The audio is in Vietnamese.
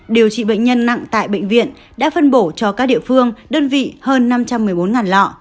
điều trị bệnh nhân nặng tại bệnh viện đã phân bổ cho các địa phương đơn vị hơn năm trăm một mươi bốn lọ